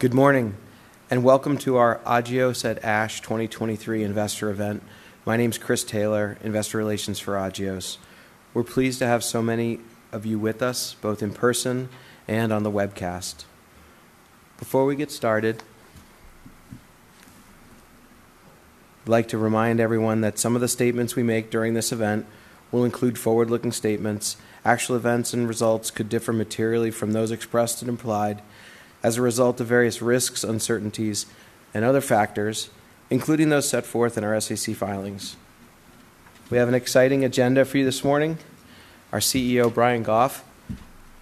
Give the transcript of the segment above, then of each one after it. Good morning, and welcome to our Agios at ASH 2023 Investor Event. My name is Chris Taylor, Investor Relations for Agios. We're pleased to have so many of you with us, both in person and on the webcast. Before we get started, I'd like to remind everyone that some of the statements we make during this event will include forward-looking statements. Actual events and results could differ materially from those expressed and implied as a result of various risks, uncertainties, and other factors, including those set forth in our SEC filings. We have an exciting agenda for you this morning. Our CEO, Brian Goff,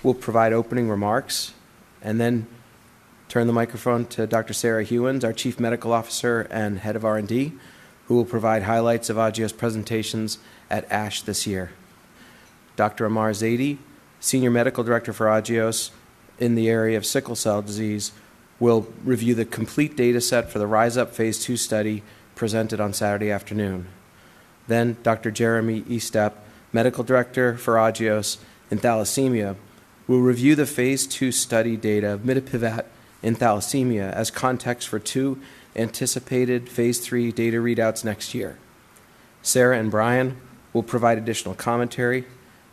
will provide opening remarks and then turn the microphone to Dr. Sarah Gheuens, our Chief Medical Officer and Head of R&D, who will provide highlights of Agios presentations at ASH this year. Dr. Ahmar Zaidi, Senior Medical Director for Agios in the area of sickle cell disease, will review the complete data set for the RISE UP phase II study presented on Saturday afternoon. Then Dr. Jeremie Estepp, Medical Director for Agios in thalassemia, will review the phase II study data of mitapivat in thalassemia as context for two anticipated phase III data readouts next year. Sarah and Brian will provide additional commentary,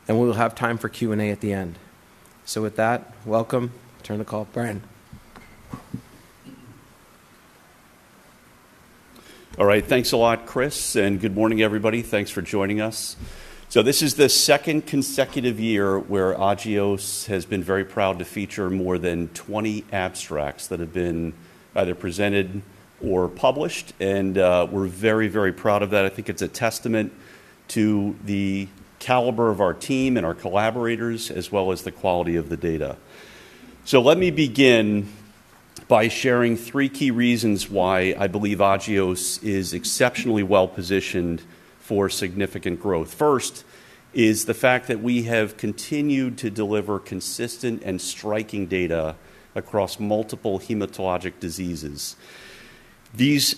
and we will have time for Q&A at the end. So with that, welcome. Turn the call to Brian. All right, thanks a lot, Chris, and good morning everybody. Thanks for joining us. So this is the second consecutive year where Agios has been very proud to feature more than 20 abstracts that have been either presented or published and we're very, very proud of that. I think it's a testament to the caliber of our team and our collaborators, as well as the quality of the data. So let me begin by sharing three key reasons why I believe Agios is exceptionally well positioned for significant growth. First is the fact that we have continued to deliver consistent and striking data across multiple hematologic diseases. These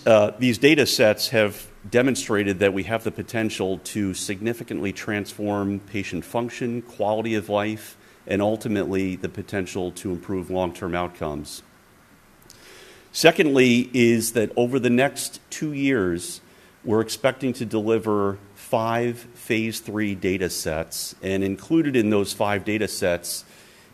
data sets have demonstrated that we have the potential to significantly transform patient function, quality of life, and ultimately, the potential to improve long-term outcomes. Secondly, over the next two years, we're expecting to deliver five phase III data sets, and included in those five data sets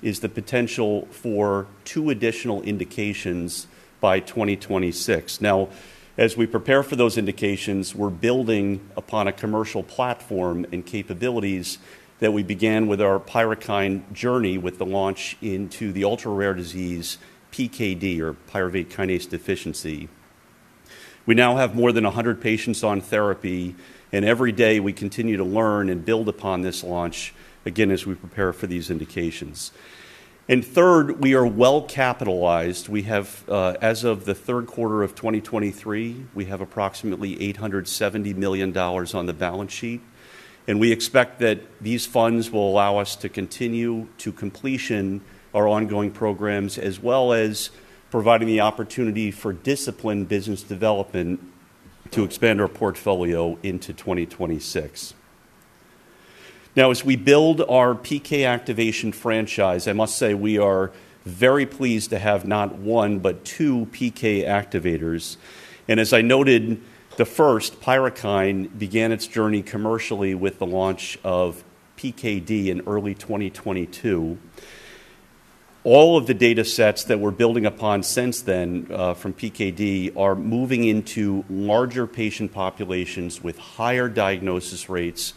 is the potential for two additional indications by 2026. Now, as we prepare for those indications, we're building upon a commercial platform and capabilities that we began with our PYRUKYND journey with the launch into the ultra-rare disease PKD, or pyruvate kinase deficiency. We now have more than 100 patients on therapy, and every day we continue to learn and build upon this launch, again, as we prepare for these indications. And third, we are well capitalized. We have, as of the third quarter of 2023, we have approximately $870 million on the balance sheet, and we expect that these funds will allow us to continue to completion our ongoing programs, as well as providing the opportunity for disciplined business development to expand our portfolio into 2026. Now, as we build our PK activation franchise, I must say we are very pleased to have not one, but two PK activators. And as I noted, the first, PYRUKYND, began its journey commercially with the launch of PKD in early 2022. All of the data sets that we're building upon since then, from PKD, are moving into larger patient populations with higher diagnosis rates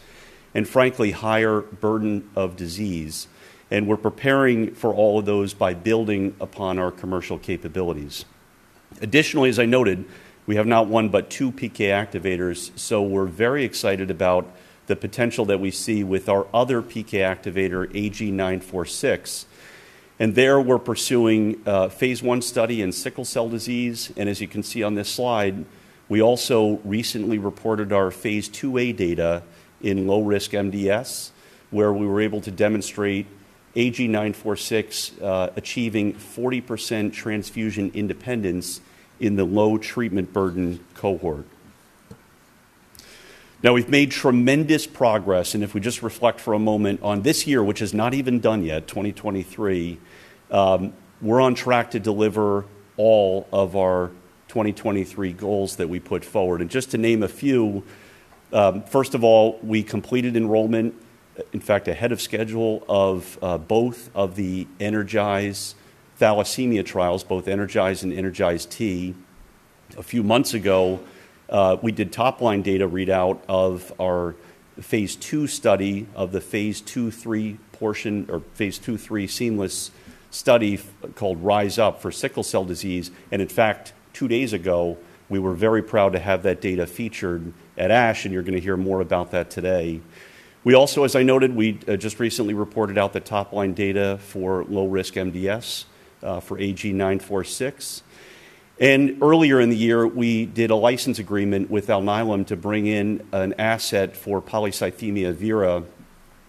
and frankly higher burden of disease. And we're preparing for all of those by building upon our commercial capabilities. Additionally, as I noted, we have not one, but two PK activators, so we're very excited about the potential that we see with our other PK activator, AG-946. And there we're pursuing a phase I study in sickle cell disease. And as you can see on this slide, we also recently reported our phase II-A data in low-risk MDS, where we were able to demonstrate AG-946 achieving 40% transfusion independence in the low treatment burden cohort. Now, we've made tremendous progress and if we just reflect for a moment on this year, which is not even done yet, 2023, we're on track to deliver all of our 2023 goals that we put forward. And just to name a few, first of all, we completed enrollment, in fact, ahead of schedule of both of the ENERGIZE thalassemia trials, both ENERGIZE and ENERGIZE-T. A few months ago, we did top-line data readout of our phase II study of the phase II/III portion or phase II/III seamless study called RISE UP for sickle cell disease. In fact, two days ago, we were very proud to have that data featured at ASH, and you're going to hear more about that today. We also, as I noted, just recently reported out the top-line data for low-risk MDS for AG-946. Earlier in the year, we did a license agreement with Alnylam to bring in an asset for polycythemia vera,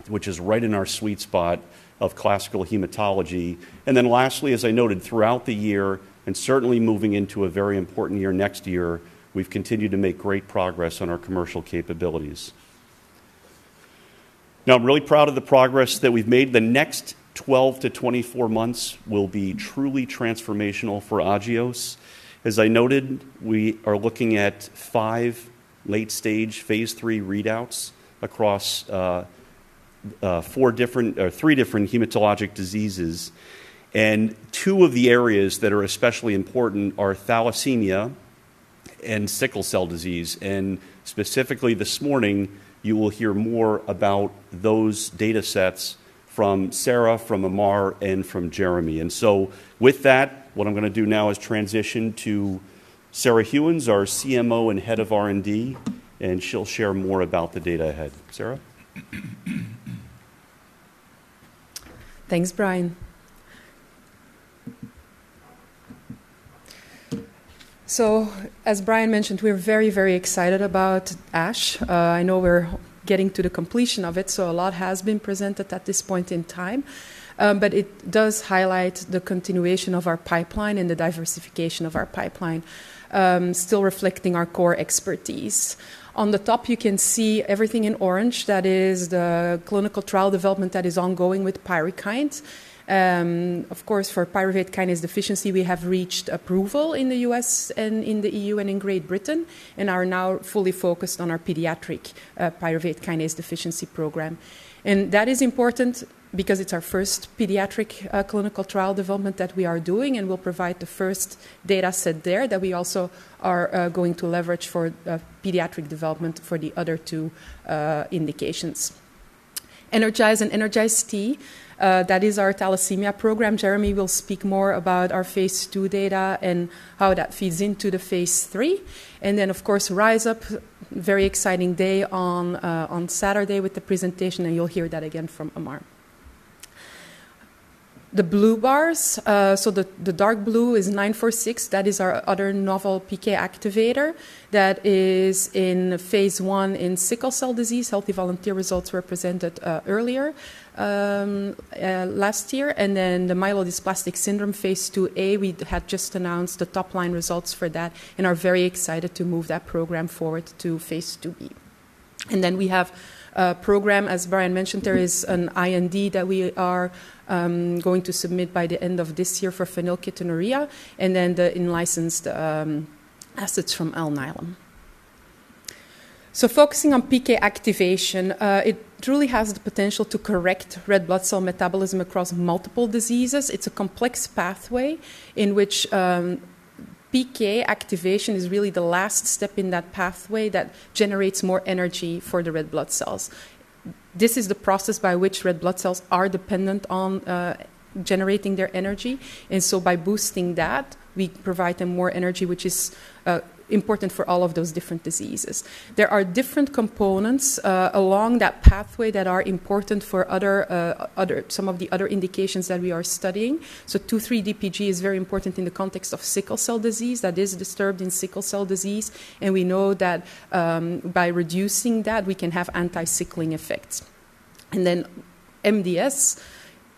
which is right in our sweet spot of classical hematology. Then lastly, as I noted, throughout the year, and certainly moving into a very important year next year, we've continued to make great progress on our commercial capabilities. Now, I'm really proud of the progress that we've made. The next 12-24 months will be truly transformational for Agios. As I noted, we are looking at five late-stage phase III readouts across four different—three different hematologic diseases. Two of the areas that are especially important are thalassemia and sickle cell disease. Specifically, this morning, you will hear more about those data sets from Sarah, from Ahmar, and from Jeremie. With that, what I'm going to do now is transition to Sarah Gheuens, our CMO and Head of R&D, and she'll share more about the data ahead. Sarah? Thanks, Brian. So as Brian mentioned, we're very, very excited about ASH. I know we're getting to the completion of it, so a lot has been presented at this point in time. But it does highlight the continuation of our pipeline and the diversification of our pipeline, still reflecting our core expertise. On the top, you can see everything in orange. That is the clinical trial development that is ongoing with PYRUKYND. Of course, for pyruvate kinase deficiency, we have reached approval in the U.S. and in the EU and in Great Britain, and are now fully focused on our pediatric pyruvate kinase deficiency program. And that is important because it's our first pediatric clinical trial development that we are doing, and we'll provide the first data set there that we also are going to leverage for pediatric development for the other two indications. ENERGIZE and ENERGIZE-T, that is our thalassemia program. Jeremie will speak more about our phase II data and how that feeds into the phase III. And then, of course, RISE UP, very exciting day on Saturday with the presentation, and you'll hear that again from Ahmar. The blue bars, so the dark blue is AG-946. That is our other novel PK activator that is in phase I in sickle cell disease. Healthy volunteer results were presented earlier last year. And then the myelodysplastic syndrome, phase II-A, we had just announced the top-line results for that and are very excited to move that program forward to phase II-B. And then we have a program, as Brian mentioned, there is an IND that we are going to submit by the end of this year for phenylketonuria, and then the in-licensed assets from Alnylam. So focusing on PK activation, it truly has the potential to correct red blood cell metabolism across multiple diseases. It's a complex pathway in which PK activation is really the last step in that pathway that generates more energy for the red blood cells. This is the process by which red blood cells are dependent on generating their energy. And so by boosting that, we provide them more energy, which is important for all of those different diseases. There are different components along that pathway that are important for other some of the other indications that we are studying. So 2,3-DPG is very important in the context of sickle cell disease, that is disturbed in sickle cell disease, and we know that by reducing that, we can have anti-sickling effects. And then MDS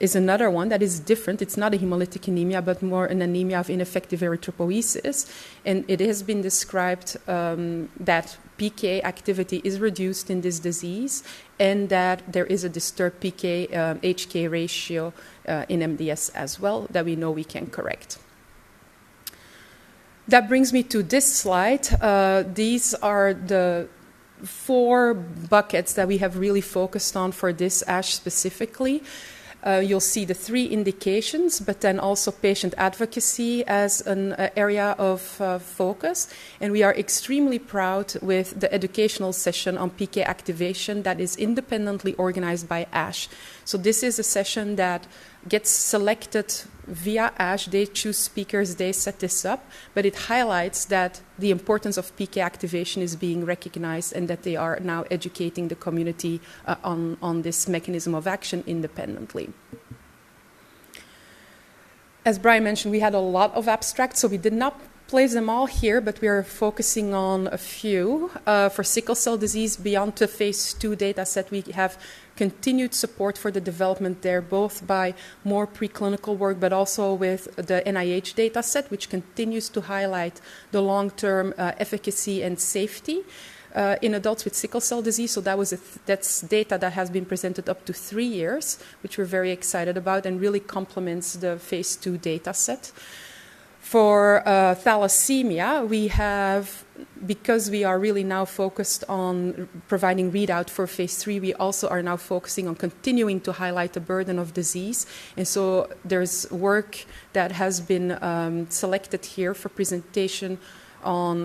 is another one that is different. It's not a hemolytic anemia, but more an anemia of ineffective erythropoiesis. And it has been described that PK activity is reduced in this disease, and that there is a disturbed PK/HK ratio in MDS as well, that we know we can correct. That brings me to this slide. These are the four buckets that we have really focused on for this ASH, specifically. You'll see the three indications, but then also patient advocacy as an area of focus. And we are extremely proud with the educational session on PK activation that is independently organized by ASH. So this is a session that gets selected via ASH. They choose speakers, they set this up, but it highlights that the importance of PK activation is being recognized and that they are now educating the community on this mechanism of action independently. As Brian mentioned, we had a lot of abstracts, so we did not place them all here, but we are focusing on a few. for sickle cell disease, beyond the phase II data set, we have continued support for the development there, both by more preclinical work, but also with the NIH data set, which continues to highlight the long-term efficacy and safety in adults with sickle cell disease. So that's data that has been presented up to three years, which we're very excited about and really complements the phase II data set. For thalassemia, we have because we are really now focused on providing readout for phase III, we also are now focusing on continuing to highlight the burden of disease. There's work that has been selected here for presentation on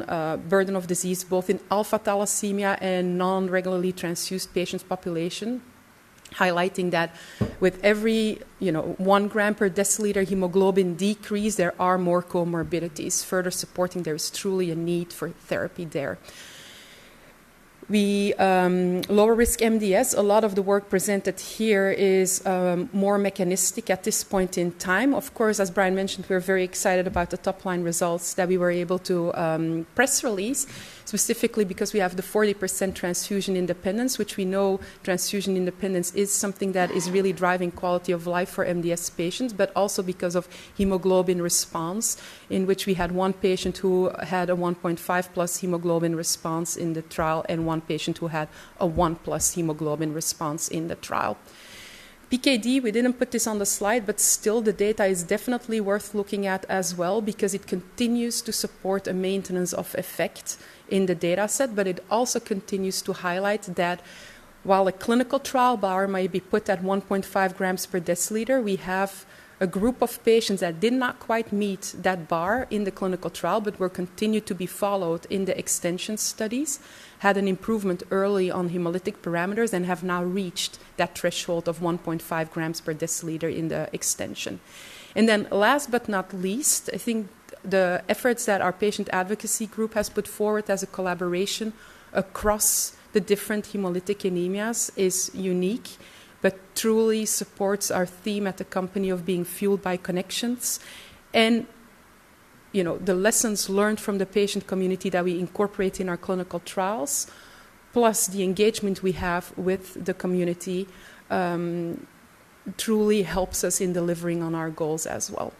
burden of disease, both in alpha thalassemia and non-regularly transfused patients population, highlighting that with every, you know, 1 g/dL hemoglobin decrease, there are more comorbidities, further supporting there is truly a need for therapy there. We low-risk MDS. A lot of the work presented here is more mechanistic at this point in time. Of course, as Brian mentioned, we're very excited about the top-line results that we were able to press release, specifically because we have the 40% transfusion independence, which we know transfusion independence is something that is really driving quality of life for MDS patients, but also because of hemoglobin response, in which we had one patient who had a 1.5+ hemoglobin response in the trial and one patient who had a 1+ hemoglobin response in the trial. PKD, we didn't put this on the slide, but still the data is definitely worth looking at as well because it continues to support a maintenance of effect in the data set. But it also continues to highlight that while a clinical trial bar may be put at 1.5 g/dL, we have a group of patients that did not quite meet that bar in the clinical trial, but were continued to be followed in the extension studies, had an improvement early on hemolytic parameters and have now reached that threshold of 1.5 g/dL in the extension. And then last but not least, I think the efforts that our patient advocacy group has put forward as a collaboration across the different hemolytic anemias is unique, but truly supports our theme at the company of being fueled by connections. And, you know, the lessons learned from the patient community that we incorporate in our clinical trials, plus the engagement we have with the community, truly helps us in delivering on our goals as well.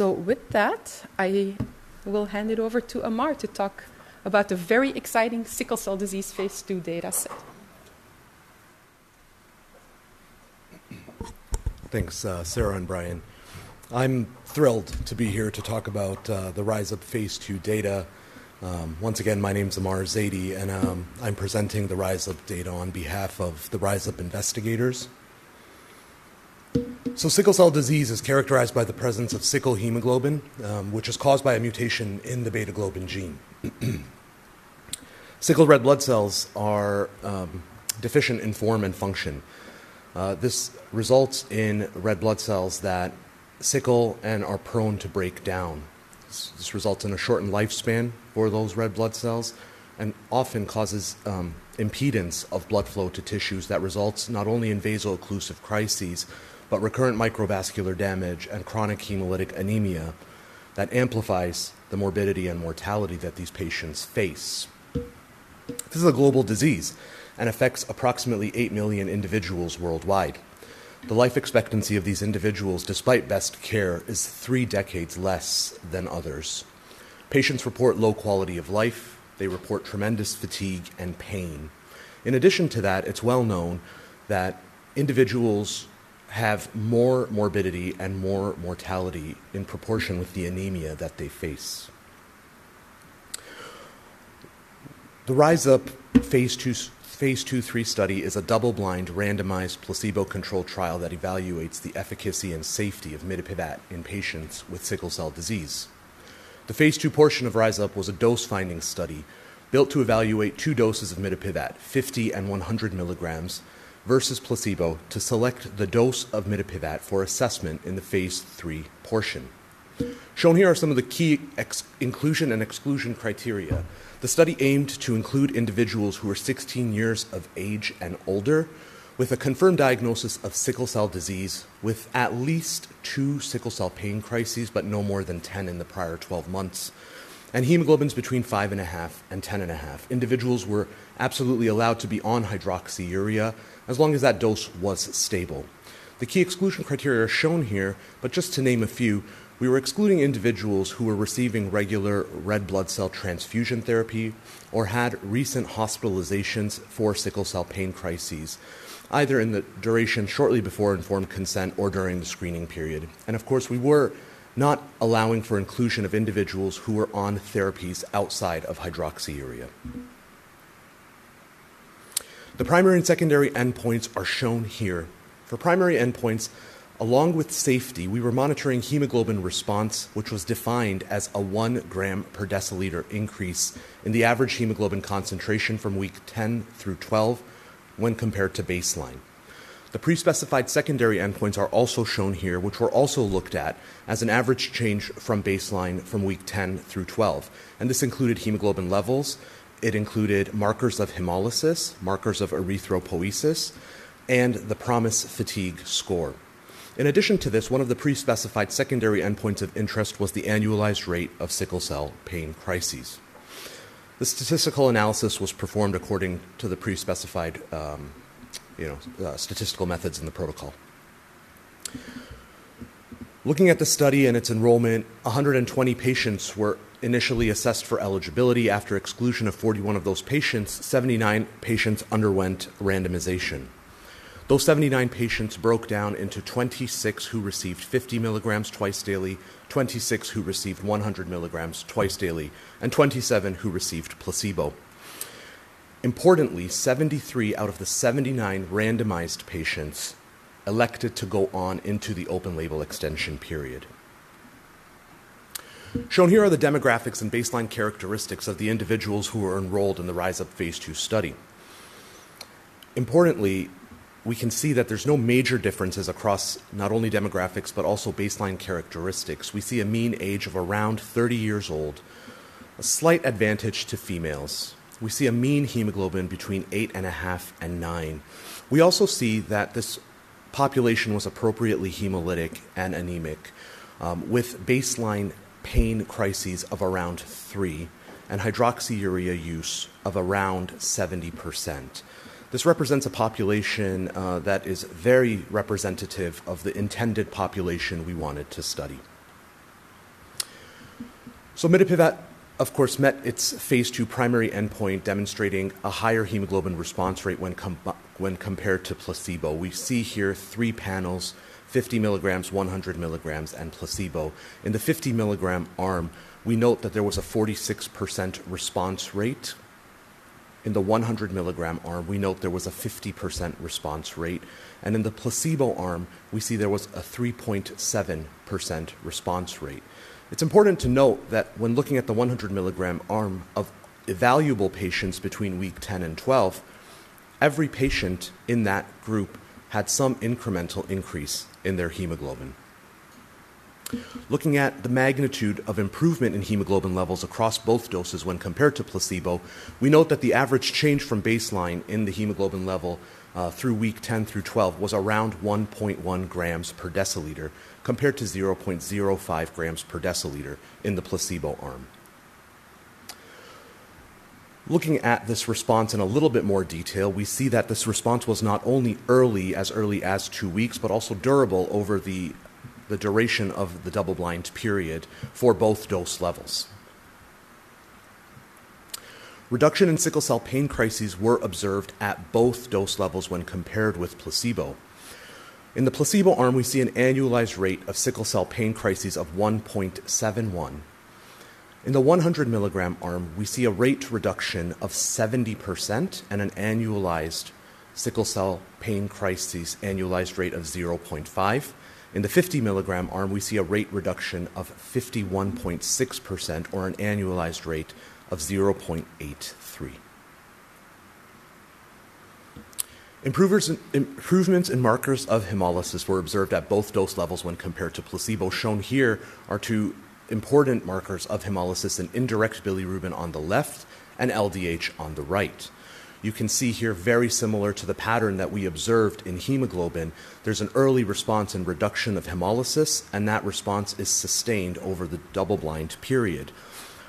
With that, I will hand it over to Ahmar to talk about the very exciting sickle cell disease Phase II data set. Thanks, Sarah and Brian. I'm thrilled to be here to talk about the RISE UP phase II data. Once again, my name is Ahmar Zaidi, and I'm presenting the RISE UP data on behalf of the RISE UP investigators. So sickle cell disease is characterized by the presence of sickle hemoglobin, which is caused by a mutation in the beta globin gene. Sickle red blood cells are deficient in form and function. This results in red blood cells that sickle and are prone to break down. This results in a shortened lifespan for those red blood cells and often causes impedance of blood flow to tissues that results not only in vaso-occlusive crises, but recurrent microvascular damage and chronic hemolytic anemia that amplifies the morbidity and mortality that these patients face. This is a global disease and affects approximately 8 million individuals worldwide. The life expectancy of these individuals, despite best care, is three decades less than others. Patients report low quality of life. They report tremendous fatigue and pain. In addition to that, it's well known that individuals have more morbidity and more mortality in proportion with the anemia that they face. The RISE UP phase II, phase II/III study is a double-blind, randomized, placebo-controlled trial that evaluates the efficacy and safety of mitapivat in patients with sickle cell disease. The phase II portion of RISE UP was a dose-finding study built to evaluate two doses of mitapivat, 50 mg and 100 mg, versus placebo to select the dose of mitapivat for assessment in the phase III portion. Shown here are some of the key inclusion and exclusion criteria. The study aimed to include individuals who were 16 years of age and older, with a confirmed diagnosis of sickle cell disease, with at least two sickle cell pain crises, but no more than 10 in the prior 12 months, and hemoglobins between 5.5 and 10.5. Individuals were absolutely allowed to be on hydroxyurea as long as that dose was stable. The key exclusion criteria are shown here, but just to name a few, we were excluding individuals who were receiving regular red blood cell transfusion therapy or had recent hospitalizations for sickle cell pain crises, either in the duration shortly before informed consent or during the screening period. And of course, we were not allowing for inclusion of individuals who were on therapies outside of hydroxyurea. The primary and secondary endpoints are shown here. For primary endpoints, along with safety, we were monitoring hemoglobin response, which was defined as a one g/dL increase in the average hemoglobin concentration from week 10 through 12 when compared to baseline. The pre-specified secondary endpoints are also shown here, which were also looked at as an average change from baseline from week 10 through 12, and this included hemoglobin levels, it included markers of hemolysis, markers of erythropoiesis, and the PROMIS Fatigue score. In addition to this, one of the pre-specified secondary endpoints of interest was the annualized rate of sickle cell pain crises. The statistical analysis was performed according to the pre-specified, you know, statistical methods in the protocol. Looking at the study and its enrollment, 120 patients were initially assessed for eligibility. After exclusion of 41 of those patients, 79 patients underwent randomization. Those 79 patients broke down into 26, who received 50 mg twice daily, 26, who received 100 mg twice daily, and 27, who received placebo. Importantly, 73 out of the 79 randomized patients elected to go on into the open-label extension period. Shown here are the demographics and baseline characteristics of the individuals who were enrolled in the RISE UP phase II study. Importantly, we can see that there's no major differences across not only demographics, but also baseline characteristics. We see a mean age of around 30 years old, a slight advantage to females. We see a mean hemoglobin between 8.5 and 9. We also see that this population was appropriately hemolytic and anemic, with baseline pain crises of around three and hydroxyurea use of around 70%. This represents a population that is very representative of the intended population we wanted to study. So mitapivat, of course, met its phase II primary endpoint, demonstrating a higher hemoglobin response rate when compared to placebo. We see here three panels: 50 mg, 100 mg, and placebo. In the 50 mg arm, we note that there was a 46% response rate. In the 100 mg arm, we note there was a 50% response rate, and in the placebo arm, we see there was a 3.7% response rate. It's important to note that when looking at the 100 mg arm of evaluable patients between week 10 and 12, every patient in that group had some incremental increase in their hemoglobin. Looking at the magnitude of improvement in hemoglobin levels across both doses when compared to placebo, we note that the average change from baseline in the hemoglobin level through week 10 through 12 was around 1.1 g/dL, compared to 0.05 g/dL in the placebo arm. Looking at this response in a little bit more detail, we see that this response was not only early, as early as two weeks, but also durable over the duration of the double-blind period for both dose levels. Reduction in sickle cell pain crises were observed at both dose levels when compared with placebo. In the placebo arm, we see an annualized rate of sickle cell pain crises of 1.71. In the 100 mg arm, we see a rate reduction of 70% and an annualized sickle cell pain crises annualized rate of 0.5. In the 50 mg arm, we see a rate reduction of 51.6% or an annualized rate of 0.83. Improvements in markers of hemolysis were observed at both dose levels when compared to placebo. Shown here are two important markers of hemolysis, an indirect bilirubin on the left and LDH on the right. You can see here, very similar to the pattern that we observed in hemoglobin, there's an early response in reduction of hemolysis, and that response is sustained over the double-blind period.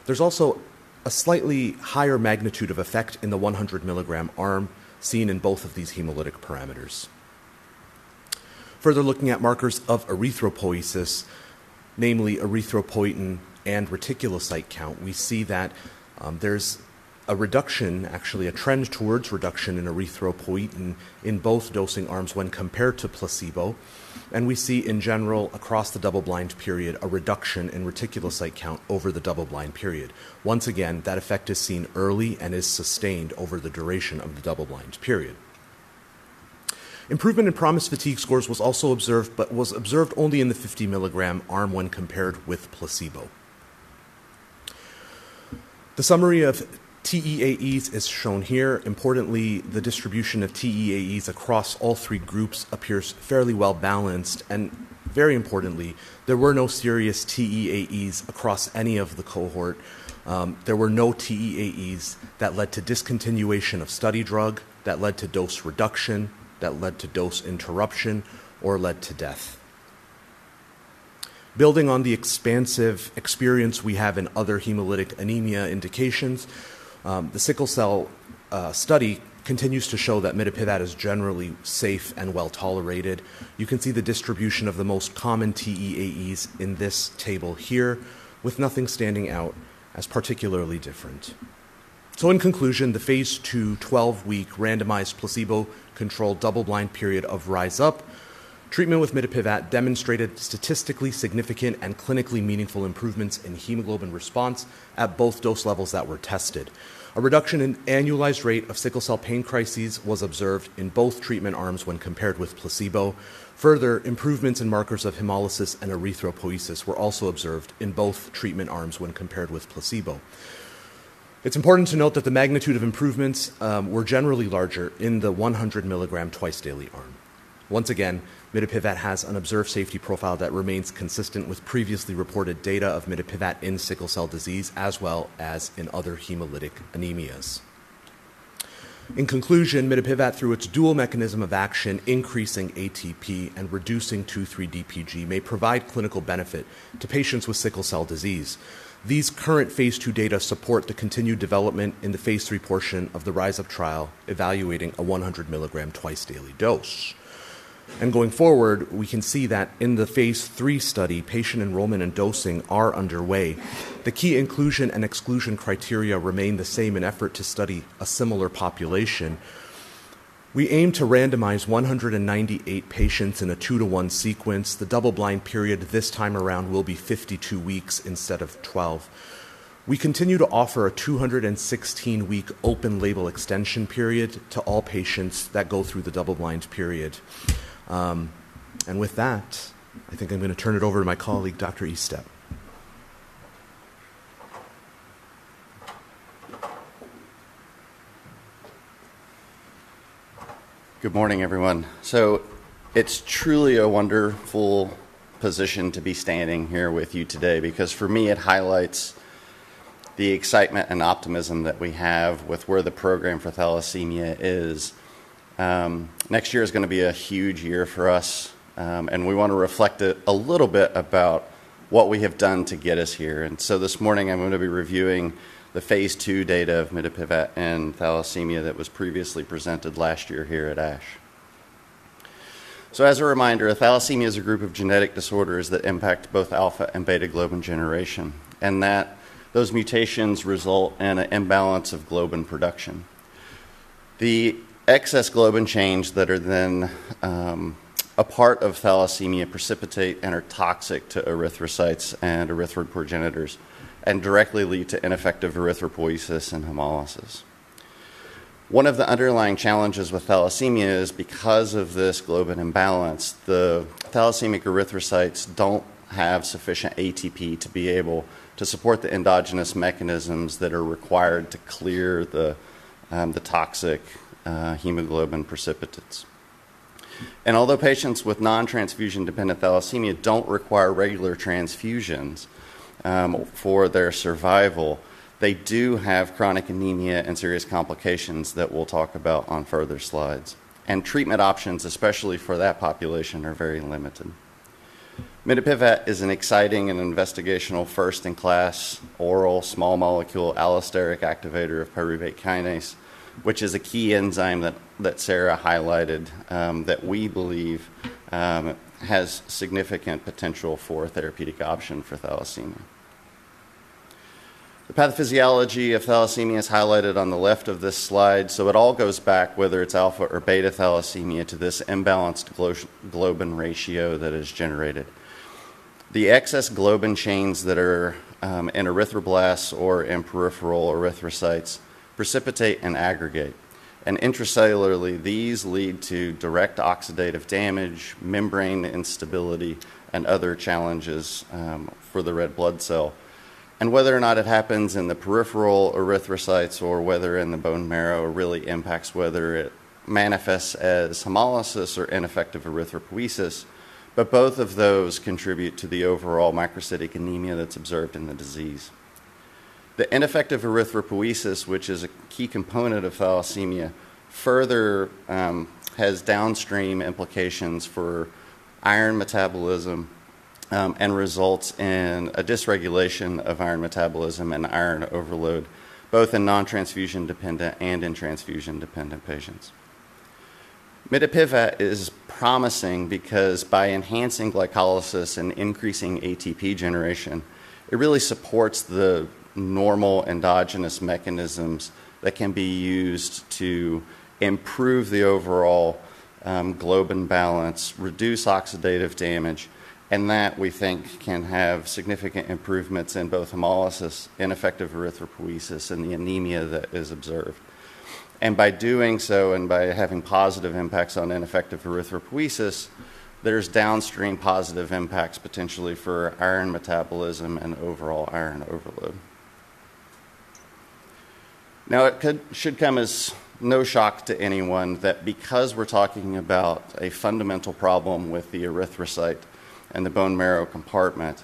There's also a slightly higher magnitude of effect in the 100 mg arm, seen in both of these hemolytic parameters. Further looking at markers of erythropoiesis, namely erythropoietin and reticulocyte count, we see that, there's a reduction, actually a trend towards reduction in erythropoietin in both dosing arms when compared to placebo, and we see in general, across the double-blind period, a reduction in reticulocyte count over the double-blind period. Once again, that effect is seen early and is sustained over the duration of the double-blind period. Improvement in PROMIS fatigue scores was also observed but was observed only in the 50 mg arm when compared with placebo. The summary of TEAEs is shown here. Importantly, the distribution of TEAEs across all three groups appears fairly well-balanced, and very importantly, there were no serious TEAEs across any of the cohort. There were no TEAEs that led to discontinuation of study drug, that led to dose reduction, that led to dose interruption, or led to death. Building on the expansive experience we have in other hemolytic anemia indications, the sickle cell study continues to show that mitapivat is generally safe and well-tolerated. You can see the distribution of the most common TEAEs in this table here, with nothing standing out as particularly different. So in conclusion, the phase II 12-week randomized, placebo-controlled, double-blind period of RISE UP, treatment with mitapivat demonstrated statistically significant and clinically meaningful improvements in hemoglobin response at both dose levels that were tested. A reduction in annualized rate of sickle cell pain crises was observed in both treatment arms when compared with placebo. Further, improvements in markers of hemolysis and erythropoiesis were also observed in both treatment arms when compared with placebo. It's important to note that the magnitude of improvements were generally larger in the 100 mg twice-daily arm. Once again, mitapivat has an observed safety profile that remains consistent with previously reported data of mitapivat in sickle cell disease, as well as in other hemolytic anemias. In conclusion, mitapivat, through its dual mechanism of action, increasing ATP and reducing 2,3-DPG, may provide clinical benefit to patients with sickle cell disease. These current phase II data support the continued development in the phase III portion of the RISE UP trial, evaluating a 100 mg twice-daily dose. Going forward, we can see that in the phase III study, patient enrollment and dosing are underway. The key inclusion and exclusion criteria remain the same in effort to study a similar population. We aim to randomize 198 patients in a 2-to-1 sequence. The double-blind period this time around will be 52 weeks instead of 12. We continue to offer a 216-week open label extension period to all patients that go through the double-blind period. With that, I think I'm going to turn it over to my colleague, Dr. Estepp. Good morning, everyone. It's truly a wonderful position to be standing here with you today because for me, it highlights the excitement and optimism that we have with where the program for thalassemia is. Next year is going to be a huge year for us, and we want to reflect it a little bit about what we have done to get us here. This morning, I'm going to be reviewing the phase II data of mitapivat and thalassemia that was previously presented last year here at ASH. As a reminder, thalassemia is a group of genetic disorders that impact both alpha and beta globin generation, and that those mutations result in an imbalance of globin production. The excess globin chains that are then a part of thalassemia precipitate and are toxic to erythrocytes and erythroid progenitors, and directly lead to ineffective erythropoiesis and hemolysis. One of the underlying challenges with thalassemia is because of this globin imbalance, the thalassemia erythrocytes don't have sufficient ATP to be able to support the endogenous mechanisms that are required to clear the toxic hemoglobin precipitates. Although patients with non-transfusion dependent thalassemia don't require regular transfusions for their survival, they do have chronic anemia and serious complications that we'll talk about on further slides. Treatment options, especially for that population, are very limited. Mitapivat is an exciting and investigational first-in-class oral small molecule allosteric activator of pyruvate kinase, which is a key enzyme that Sarah highlighted that we believe has significant potential for a therapeutic option for thalassemia. The pathophysiology of thalassemia is highlighted on the left of this slide. So it all goes back, whether it's alpha or beta thalassemia, to this imbalanced globin ratio that is generated. The excess globin chains that are in erythroblasts or in peripheral erythrocytes, precipitate and aggregate. Intracellularly, these lead to direct oxidative damage, membrane instability, and other challenges for the red blood cell. Whether or not it happens in the peripheral erythrocytes or whether in the bone marrow, really impacts whether it manifests as hemolysis or ineffective erythropoiesis, but both of those contribute to the overall microcytic anemia that's observed in the disease. The ineffective erythropoiesis, which is a key component of thalassemia, further has downstream implications for iron metabolism and results in a dysregulation of iron metabolism and iron overload, both in non-transfusion dependent and in transfusion dependent patients. Mitapivat is promising because by enhancing glycolysis and increasing ATP generation, it really supports the normal endogenous mechanisms that can be used to improve the overall globin balance, reduce oxidative damage, and that we think can have significant improvements in both hemolysis, ineffective erythropoiesis, and the anemia that is observed. And by doing so, and by having positive impacts on ineffective erythropoiesis, there's downstream positive impacts potentially for iron metabolism and overall iron overload. Now, it should come as no shock to anyone that because we're talking about a fundamental problem with the erythrocyte and the bone marrow compartment,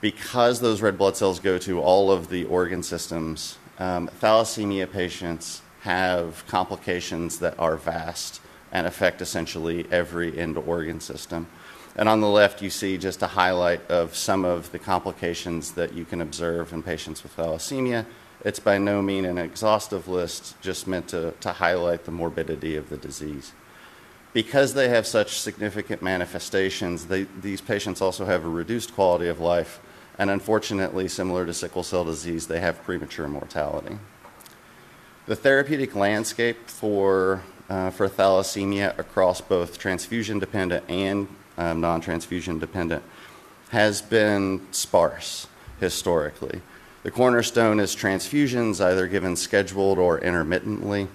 because those red blood cells go to all of the organ systems, thalassemia patients have complications that are vast and affect essentially every end organ system. And on the left, you see just a highlight of some of the complications that you can observe in patients with thalassemia. It's by no means an exhaustive list, just meant to highlight the morbidity of the disease. Because they have such significant manifestations, these patients also have a reduced quality of life, and unfortunately, similar to sickle cell disease, they have premature mortality. The therapeutic landscape for thalassemia across both transfusion-dependent and non-transfusion-dependent has been sparse historically. The cornerstone is transfusions, either given scheduled or intermittently,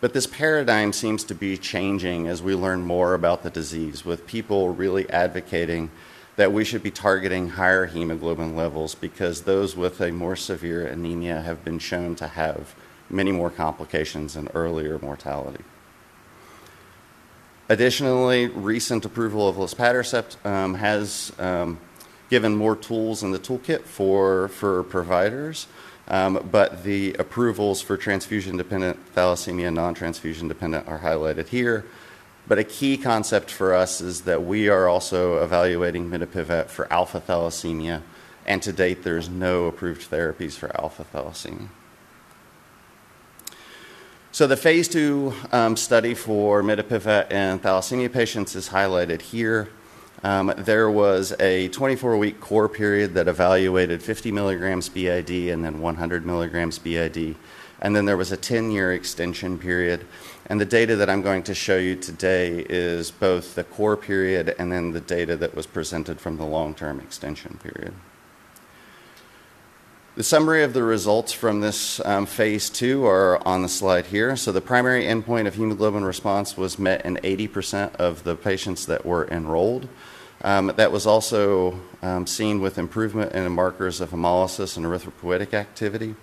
but this paradigm seems to be changing as we learn more about the disease, with people really advocating that we should be targeting higher hemoglobin levels because those with a more severe anemia have been shown to have many more complications and earlier mortality. Additionally, recent approval of luspatercept has given more tools in the toolkit for providers, but the approvals for transfusion-dependent thalassemia and non-transfusion-dependent are highlighted here. A key concept for us is that we are also evaluating mitapivat for alpha thalassemia, and to date, there's no approved therapies for alpha thalassemia. The phase II study for mitapivat in thalassemia patients is highlighted here. There was a 24-week core period that evaluated 50 mg BID, and then 100 mg BID, and then there was a 10-year extension period. The data that I'm going to show you today is both the core period and then the data that was presented from the long-term extension period. The summary of the results from this phase II are on the slide here. The primary endpoint of hemoglobin response was met in 80% of the patients that were enrolled. That was also seen with improvement in the markers of hemolysis and erythropoietic activity.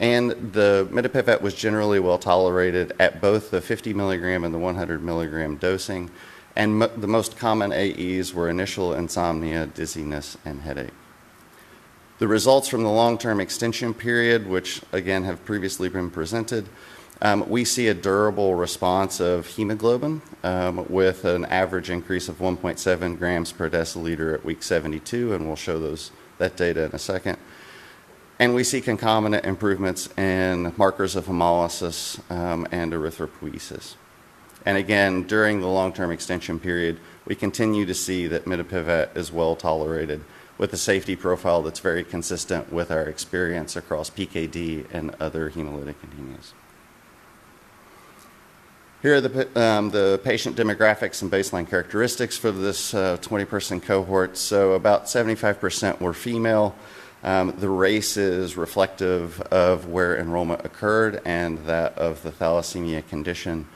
The mitapivat was generally well tolerated at both the 50 mg and the 100 mg dosing, and the most common AEs were initial insomnia, dizziness, and headache. The results from the long-term extension period, which again, have previously been presented, we see a durable response of hemoglobin, with an average increase of 1.7 g/dL at week 72, and we'll show that data in a second, and we see concomitant improvements in markers of hemolysis, and erythropoiesis. And again, during the long-term extension period, we continue to see that mitapivat is well tolerated, with a safety profile that's very consistent with our experience across PKD and other hemolytic anemias. Here are the patient demographics and baseline characteristics for this 20-person cohort. So about 75% were female. The race is reflective of where enrollment occurred and that of the thalassemia condition.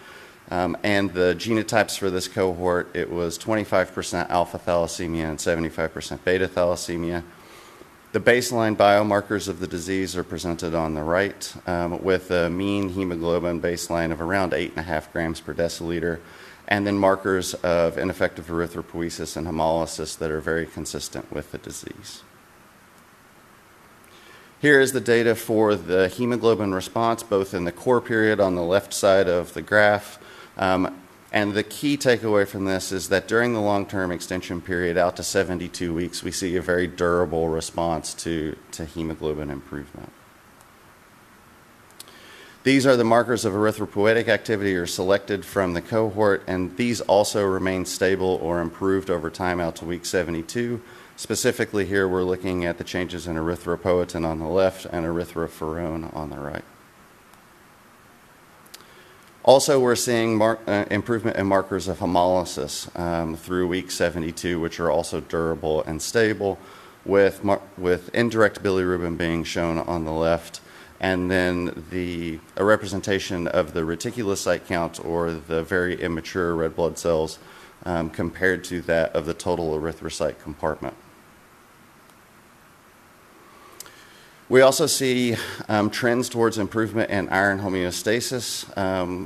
And the genotypes for this cohort, it was 25% alpha thalassemia and 75% beta thalassemia. The baseline biomarkers of the disease are presented on the right, with a mean hemoglobin baseline of around 8.5 g/dL, and then markers of ineffective erythropoiesis and hemolysis that are very consistent with the disease. Here is the data for the hemoglobin response, both in the core period on the left side of the graph, and the key takeaway from this is that during the long-term extension period out to 72 weeks, we see a very durable response to, to hemoglobin improvement. These are the markers of erythropoietic activity are selected from the cohort, and these also remain stable or improved over time out to week 72. Specifically, here, we're looking at the changes in erythropoietin on the left and erythropoietin on the right. Also, we're seeing marked improvement in markers of hemolysis through week 72, which are also durable and stable, with indirect bilirubin being shown on the left, and then a representation of the reticulocyte count or the very immature red blood cells compared to that of the total erythrocyte compartment. We also see trends towards improvement in iron homeostasis,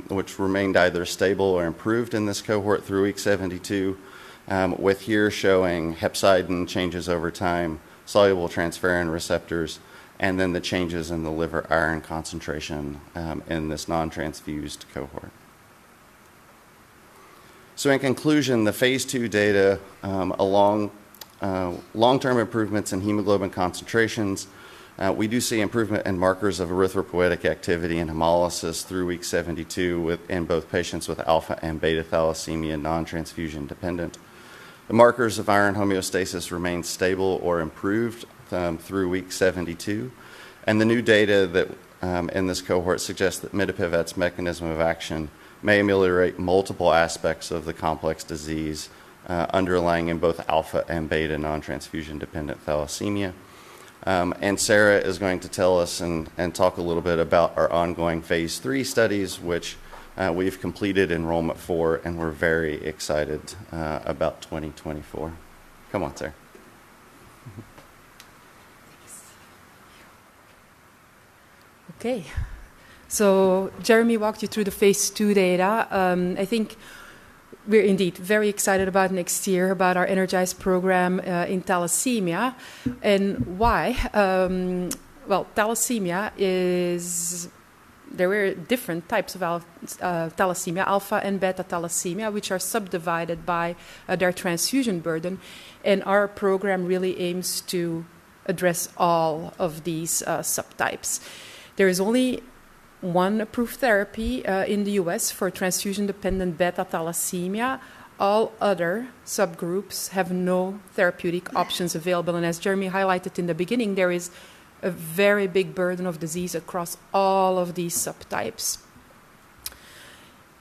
which remained either stable or improved in this cohort through week 72, with here showing hepcidin changes over time, soluble transferrin receptors, and then the changes in the liver iron concentration in this non-transfused cohort. In conclusion, the phase II data, along with long-term improvements in hemoglobin concentrations, we do see improvement in markers of erythropoietic activity and hemolysis through week 72 in both patients with alpha and beta thalassemia non-transfusion dependent. The markers of iron homeostasis remain stable or improved through week 72, and the new data in this cohort suggests that mitapivat's mechanism of action may ameliorate multiple aspects of the complex disease underlying both alpha and beta non-transfusion dependent thalassemia. Sarah is going to tell us and talk a little bit about our ongoing phase III studies, which we've completed enrollment for, and we're very excited about 2024. Come on, Sarah. Thanks. Okay. So Jeremie walked you through the phase II data. I think we're indeed very excited about next year, about our ENERGIZE program, in thalassemia. And why? Well, thalassemia is, there are different types of thalassemia, alpha and beta thalassemia, which are subdivided by their transfusion burden, and our program really aims to address all of these subtypes. There is only one approved therapy in the U.S. for transfusion-dependent beta thalassemia. All other subgroups have no therapeutic options available, and as Jeremie highlighted in the beginning, there is a very big burden of disease across all of these subtypes.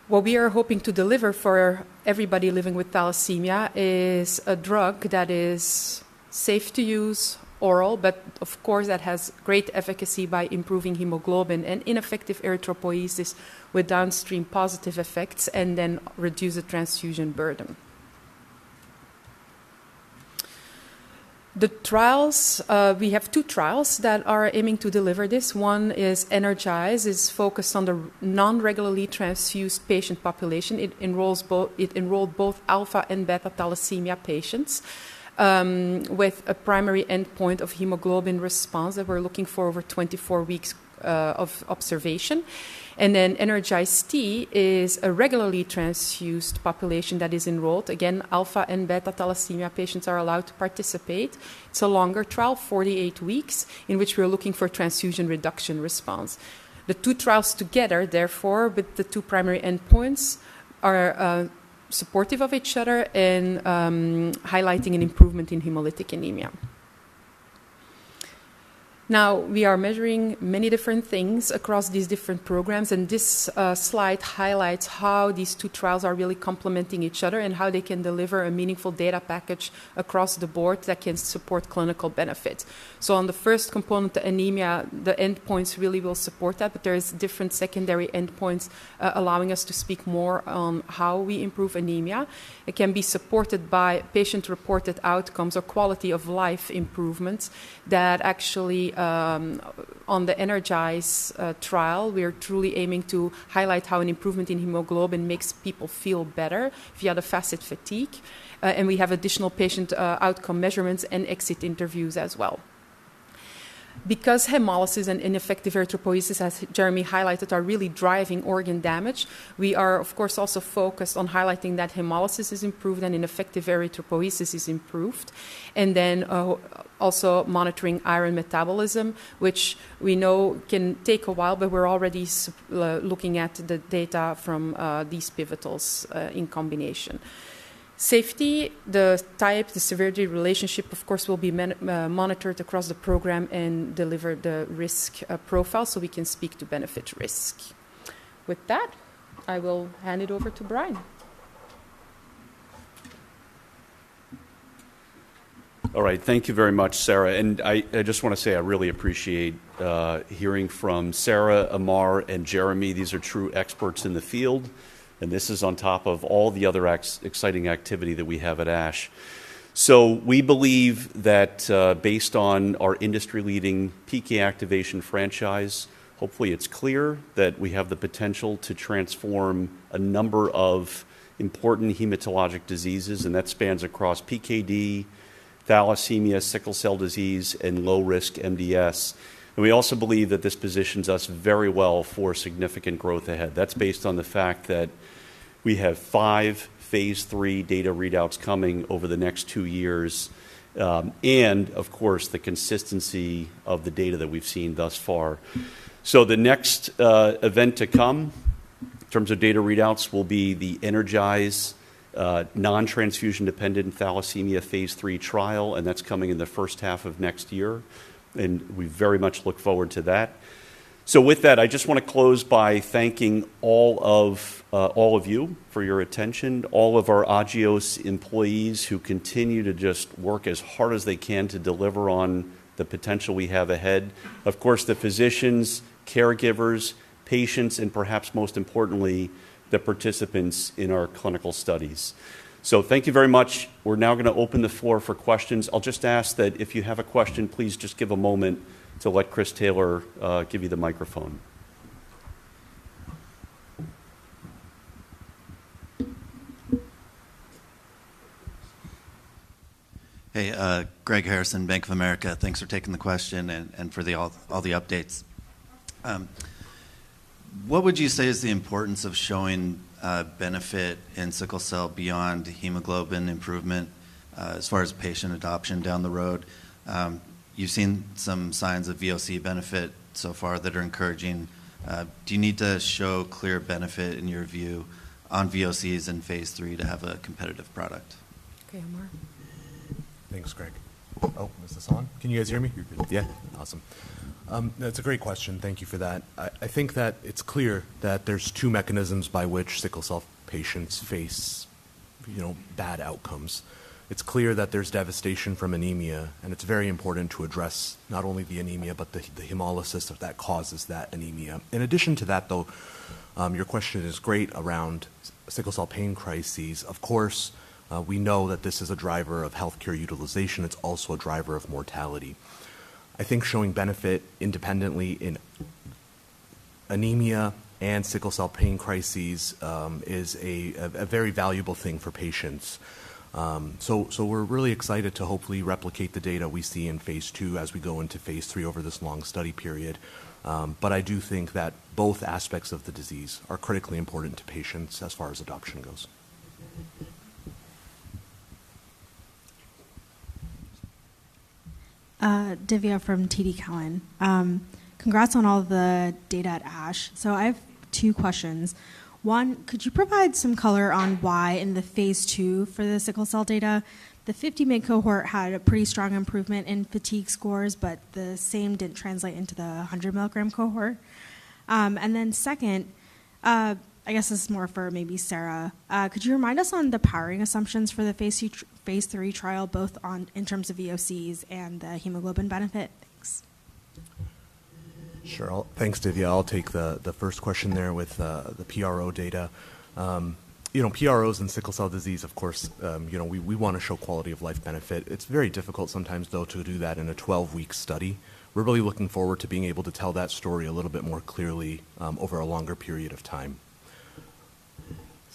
What we are hoping to deliver for everybody living with thalassemia is a drug that is safe to use oral, but of course, that has great efficacy by improving hemoglobin and ineffective erythropoiesis with downstream positive effects and then reduce the transfusion burden. The trials, we have two trials that are aiming to deliver this. One is ENERGIZE, is focused on the non-regularly transfused patient population. It enrolls both-- it enrolled both alpha and beta thalassemia patients, with a primary endpoint of hemoglobin response that we're looking for over 24 weeks of observation. And then ENERGIZE-T is a regularly transfused population that is enrolled. Again, alpha and beta thalassemia patients are allowed to participate. It's a longer trial, 48 weeks, in which we are looking for transfusion reduction response. The two trials together, therefore, with the two primary endpoints, are supportive of each other in highlighting an improvement in hemolytic anemia. Now, we are measuring many different things across these different programs, and this slide highlights how these two trials are really complementing each other and how they can deliver a meaningful data package across the board that can support clinical benefit. So on the first component, the anemia, the endpoints really will support that, but there is different secondary endpoints allowing us to speak more on how we improve anemia. It can be supported by patient-reported outcomes or quality of life improvements that actually on the ENERGIZE trial, we are truly aiming to highlight how an improvement in hemoglobin makes people feel better via the FACIT-Fatigue, and we have additional patient outcome measurements and exit interviews as well. Because hemolysis and ineffective erythropoiesis, as Jeremie highlighted, are really driving organ damage, we are, of course, also focused on highlighting that hemolysis is improved and ineffective erythropoiesis is improved. And then, also monitoring iron metabolism, which we know can take a while, but we're already looking at the data from these pivotals in combination. Safety, the type, the severity relationship, of course, will be monitored across the program and deliver the risk profile so we can speak to benefit risk. With that, I will hand it over to Brian. All right. Thank you very much, Sarah. And I just want to say I really appreciate hearing from Sarah, Ahmar, and Jeremie. These are true experts in the field, and this is on top of all the other exciting activity that we have at ASH. So we believe that based on our industry-leading PK activation franchise, hopefully, it's clear that we have the potential to transform a number of important hematologic diseases, and that spans across PKD, thalassemia, sickle cell disease, and low-risk MDS. And we also believe that this positions us very well for significant growth ahead. That's based on the fact that we have five phase III data readouts coming over the next two years, and of course, the consistency of the data that we've seen thus far. So the next event to come, in terms of data readouts, will be the ENERGIZE non-transfusion-dependent thalassemia phase III trial, and that's coming in the first half of next year, and we very much look forward to that. So with that, I just want to close by thanking all of all of you for your attention, all of our Agios employees who continue to just work as hard as they can to deliver on the potential we have ahead. Of course, the physicians, caregivers, patients, and perhaps most importantly, the participants in our clinical studies. So thank you very much. We're now going to open the floor for questions. I'll just ask that if you have a question, please just give a moment to let Chris Taylor give you the microphone. Hey, Greg Harrison, Bank of America. Thanks for taking the question and for all the updates. What would you say is the importance of showing benefit in sickle cell beyond hemoglobin improvement as far as patient adoption down the road? You've seen some signs of VOC benefit so far that are encouraging. Do you need to show clear benefit, in your view, on VOCs in phase III to have a competitive product? Okay, Ahmar. Thanks, Greg. Oh, is this on? Can you guys hear me? Yeah. Awesome. That's a great question. Thank you for that. I think that it's clear that there's two mechanisms by which sickle cell patients face, you know, bad outcomes. It's clear that there's devastation from anemia, and it's very important to address not only the anemia, but the hemolysis that causes that anemia. In addition to that, though, your question is great around sickle cell pain crises. Of course, we know that this is a driver of healthcare utilization. It's also a driver of mortality. I think showing benefit independently in anemia and sickle cell pain crises is a very valuable thing for patients. So, we're really excited to hopefully replicate the data we see in phase II as we go into phase III over this long study period. But I do think that both aspects of the disease are critically important to patients as far as adoption goes. Divya from TD Cowen. Congrats on all the data at ASH. So I have two questions. One, could you provide some color on why in the phase II for the sickle cell data, the 50 mg cohort had a pretty strong improvement in fatigue scores, but the same didn't translate into the 100 mg cohort? And then second, I guess this is more for maybe Sarah. Could you remind us on the powering assumptions for the phase ii-phase III trial, both on in terms of VOCs and the hemoglobin benefit? Thanks. Sure. Thanks, Divya. I'll take the first question there with the PRO data. You know, PROs and sickle cell disease, of course, you know, we want to show quality of life benefit. It's very difficult sometimes, though, to do that in a 12-week study. We're really looking forward to being able to tell that story a little bit more clearly over a longer period of time.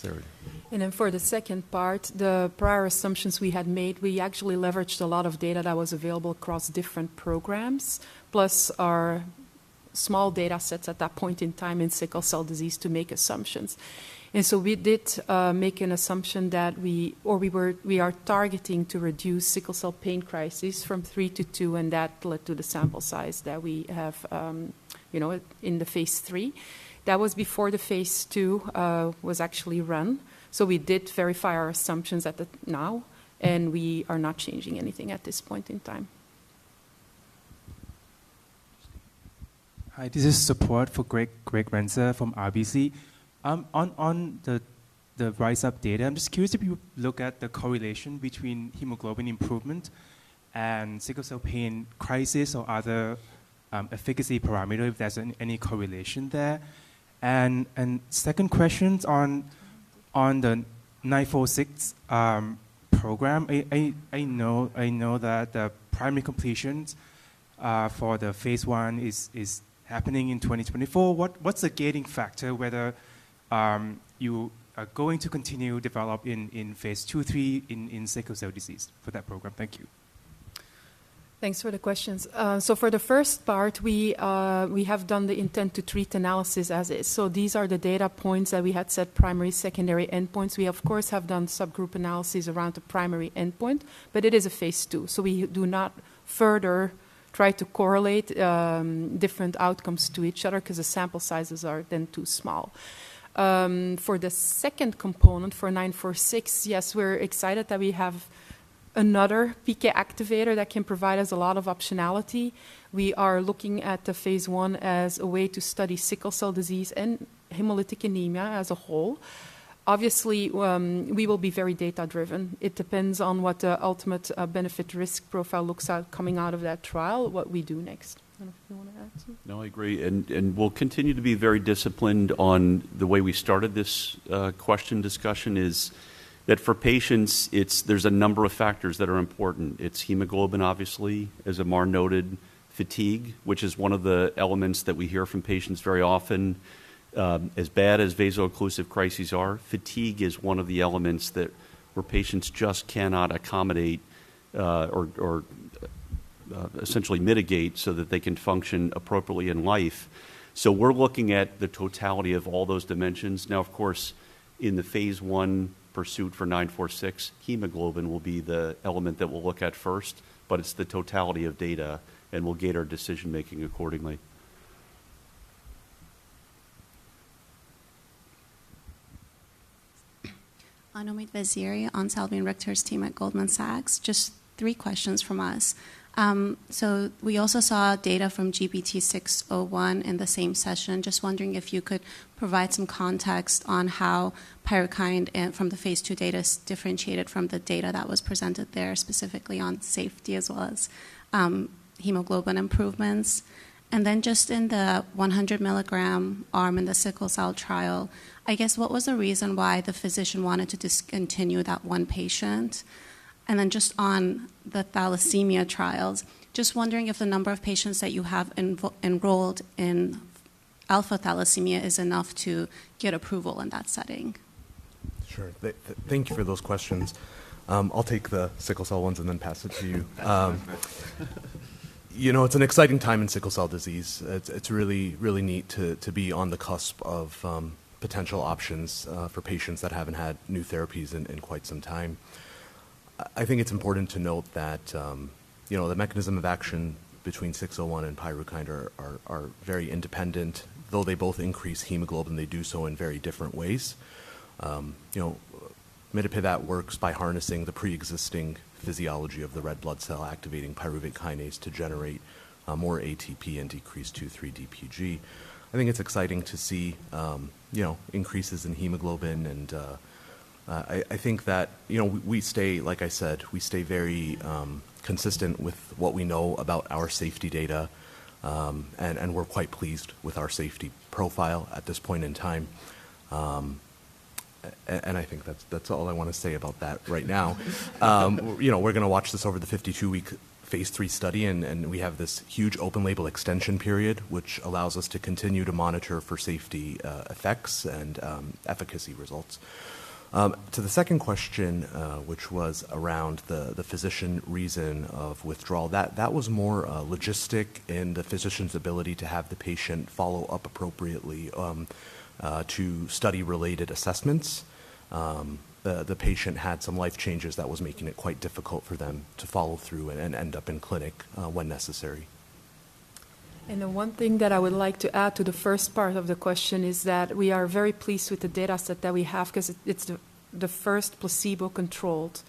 Sarah. And then for the second part, the prior assumptions we had made, we actually leveraged a lot of data that was available across different programs, plus our small data sets at that point in time in sickle cell disease to make assumptions. And so we did make an assumption that we or we were, we are targeting to reduce sickle cell pain crisis from 3 to 2, and that led to the sample size that we have, you know, in the phase III. That was before the phase II was actually run. So we did verify our assumptions at the now, and we are not changing anything at this point in time. Hi, this is support for Greg, Greg Renza from RBC. On the RISE UP data, I'm just curious if you look at the correlation between hemoglobin improvement and sickle cell pain crisis or other efficacy parameter, if there's any correlation there? And second question on the AG-946 program. I know that the primary completions for the phase I is happening in 2024. What's the gating factor whether you are going to continue developing in phase II/III in sickle cell disease for that program? Thank you. Thanks for the questions. So for the first part, we have done the intent to treat analysis as is. So these are the data points that we had set primary, secondary endpoints. We, of course, have done subgroup analyses around the primary endpoint, but it is a phase II. So we do not further try to correlate different outcomes to each other 'cause the sample sizes are then too small. For the second component, for AG-946, yes, we're excited that we have another PK activator that can provide us a lot of optionality. We are looking at the phase I as a way to study sickle cell disease and hemolytic anemia as a whole. Obviously, we will be very data-driven. It depends on what the ultimate benefit-to-risk profile looks like coming out of that trial, what we do next. You want to add to? No, I agree, and, and we'll continue to be very disciplined on the way we started this, question discussion is that for patients, it's—there's a number of factors that are important. It's hemoglobin, obviously, as Ahmar noted, fatigue, which is one of the elements that we hear from patients very often. As bad as vaso-occlusive crises are, fatigue is one of the elements that, where patients just cannot accommodate, or, or, essentially mitigate so that they can function appropriately in life. So we're looking at the totality of all those dimensions. Now, of course, in the phase I pursuit for AG-946, hemoglobin will be the element that we'll look at first, but it's the totality of data, and we'll get our decision-making accordingly. [Amit Vizieri] on Salveen Richter's team at Goldman Sachs. Just three questions from us. So we also saw data from GBT601 in the same session. Just wondering if you could provide some context on how PYRUKYND from the phase II data is differentiated from the data that was presented there, specifically on safety as well as hemoglobin improvements. And then just in the 100 mg arm in the sickle cell trial, I guess what was the reason why the physician wanted to discontinue that one patient? And then just on the thalassemia trials, just wondering if the number of patients that you have enrolled in alpha thalassemia is enough to get approval in that setting. Sure. Thank you for those questions. I'll take the sickle cell ones and then pass it to you. You know, it's an exciting time in sickle cell disease. It's really neat to be on the cusp of potential options for patients that haven't had new therapies in quite some time. I think it's important to note that, you know, the mechanism of action between GBT601 and PYRUKYND are very independent. Though they both increase hemoglobin, they do so in very different ways. You know, mitapivat works by harnessing the preexisting physiology of the red blood cell, activating pyruvate kinase to generate more ATP and decrease 2,3-DPG. I think it's exciting to see, you know, increases in hemoglobin, and, I think that, you know, we, we stay, like I said, we stay very, consistent with what we know about our safety data, and, and we're quite pleased with our safety profile at this point in time. And I think that's, that's all I want to say about that right now. You know, we're going to watch this over the 52-week phase III study, and, and we have this huge open-label extension period, which allows us to continue to monitor for safety, effects and, efficacy results. To the second question, which was around the, the physician reason of withdrawal, that, that was more, logistical in the physician's ability to have the patient follow up appropriately, to study related assessments. The patient had some life changes that was making it quite difficult for them to follow through and end up in clinic when necessary. The one thing that I would like to add to the first part of the question is that we are very pleased with the data set that we have 'cause it's the first placebo-controlled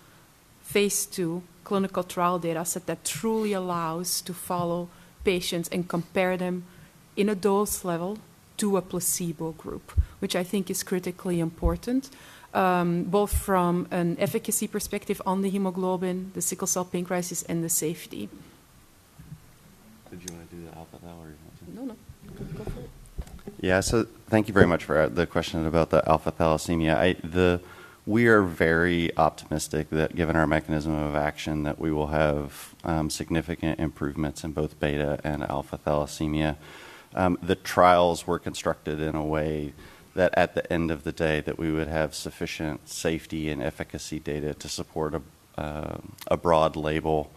phase II clinical trial data set that truly allows to follow patients and compare them in a dose level to a placebo group, which I think is critically important, both from an efficacy perspective on the hemoglobin, the sickle cell pain crisis, and the safety. Did you want to do the alpha thal or you want to? No, no. Go for it. Yeah. So thank you very much for the question about the alpha thalassemia. We are very optimistic that given our mechanism of action, that we will have significant improvements in both beta and alpha thalassemia. The trials were constructed in a way that at the end of the day, that we would have sufficient safety and efficacy data to support a broad label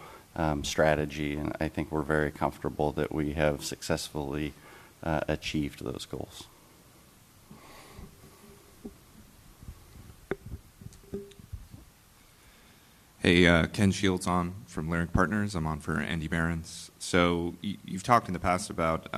strategy, and I think we're very comfortable that we have successfully achieved those goals. Hey, Ken Shields on from Leerink Partners. I'm on for Andy Berens. So you've talked in the past about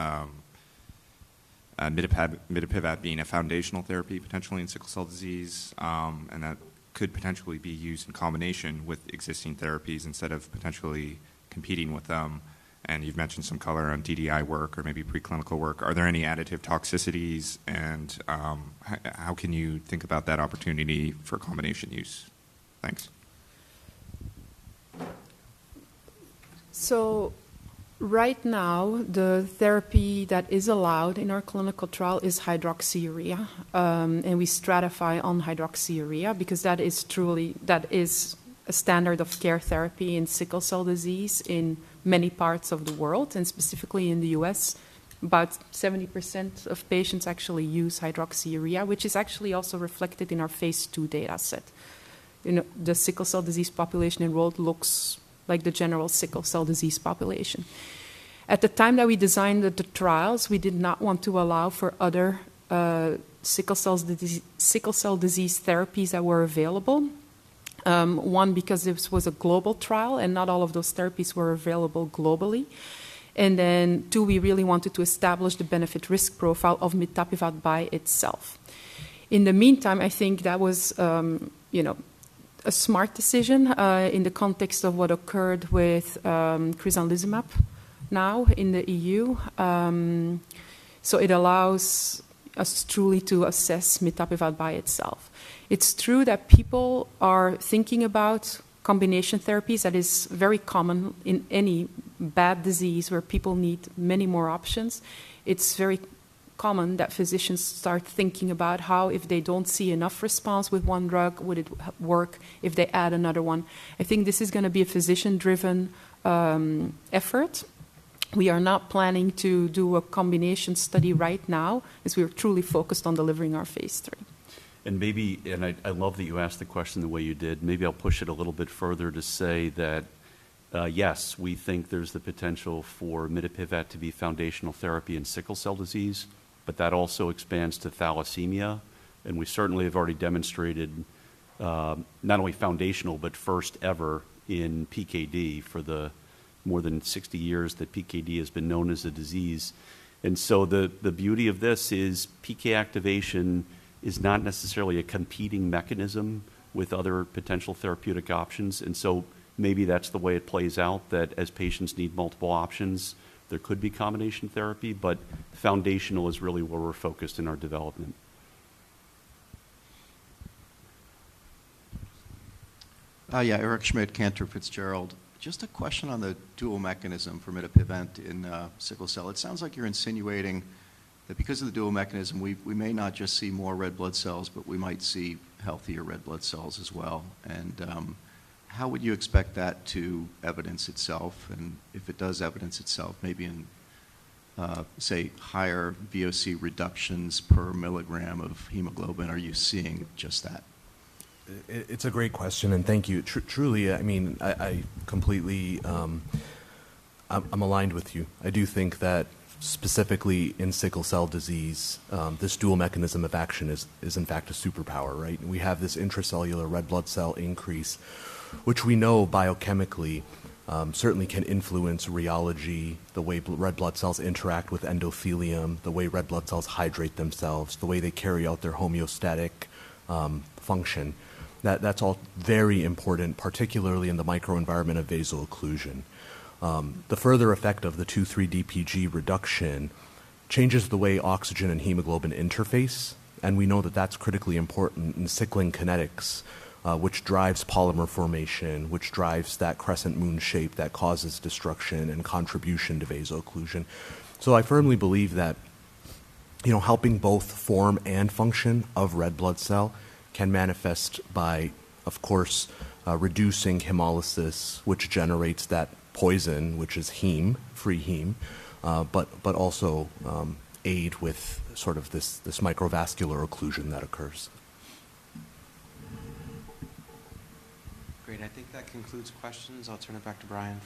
mitapivat being a foundational therapy, potentially in sickle cell disease, and that could potentially be used in combination with existing therapies instead of potentially competing with them. And you've mentioned some color on DDI work or maybe preclinical work. Are there any additive toxicities, and how can you think about that opportunity for combination use? Thanks. So right now, the therapy that is allowed in our clinical trial is hydroxyurea, and we stratify on hydroxyurea because that is truly, that is a standard of care therapy in sickle cell disease in many parts of the world, and specifically in the U.S. About 70% of patients actually use hydroxyurea, which is actually also reflected in our phase II data set. You know, the sickle cell disease population enrolled looks like the general sickle cell disease population. At the time that we designed the trials, we did not want to allow for other sickle cell disease therapies that were available. One, because this was a global trial, and not all of those therapies were available globally. And then, two, we really wanted to establish the benefit-risk profile of mitapivat by itself. In the meantime, I think that was, you know, a smart decision, in the context of what occurred with, crizanlizumab now in the EU. So it allows us truly to assess mitapivat by itself. It's true that people are thinking about combination therapies. That is very common in any bad disease where people need many more options. It's very common that physicians start thinking about how, if they don't see enough response with one drug, would it work if they add another one? I think this is gonna be a physician-driven, effort. We are not planning to do a combination study right now, as we are truly focused on delivering our phase III. And maybe I, I love that you asked the question the way you did. Maybe I'll push it a little bit further to say that, yes, we think there's the potential for mitapivat to be foundational therapy in sickle cell disease, but that also expands to thalassemia. And we certainly have already demonstrated, not only foundational, but first ever in PKD for the more than 60 years that PKD has been known as a disease. And so the beauty of this is, PK activation is not necessarily a competing mechanism with other potential therapeutic options. And so maybe that's the way it plays out, that as patients need multiple options, there could be combination therapy, but foundational is really where we're focused in our development. Yeah, Eric Schmidt, Cantor Fitzgerald. Just a question on the dual mechanism for mitapivat in sickle cell. It sounds like you're insinuating that because of the dual mechanism, we, we may not just see more red blood cells, but we might see healthier red blood cells as well. And how would you expect that to evidence itself? And if it does evidence itself, maybe in, say, higher VOC reductions per milligram of hemoglobin, are you seeing just that? It's a great question and thank you. Truly, I mean, I completely, I'm aligned with you. I do think that specifically in sickle cell disease, this dual mechanism of action is in fact a superpower, right? We have this intracellular red blood cell increase, which we know biochemically certainly can influence rheology, the way red blood cells interact with endothelium, the way red blood cells hydrate themselves, the way they carry out their homeostatic function. That's all very important, particularly in the microenvironment of vaso-occlusion. The further effect of the 2,3-DPG reduction changes the way oxygen and hemoglobin interface, and we know that that's critically important in sickling kinetics, which drives polymer formation, which drives that crescent moon shape that causes destruction and contribution to vaso-occlusion. So I firmly believe that, you know, helping both form and function of red blood cell can manifest by, of course, reducing hemolysis, which generates that poison, which is heme, free heme, but also aid with sort of this microvascular occlusion that occurs. Great. I think that concludes questions. I'll turn it back to Brian.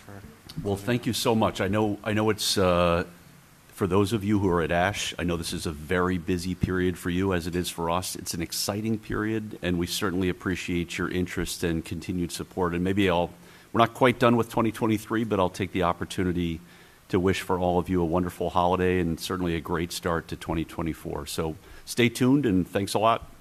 Well, thank you so much. I know, I know it's. For those of you who are at ASH, I know this is a very busy period for you, as it is for us. It's an exciting period, and we certainly appreciate your interest and continued support. And maybe I'll—we're not quite done with 2023, but I'll take the opportunity to wish for all of you a wonderful holiday and certainly a great start to 2024. So stay tuned, and thanks a lot.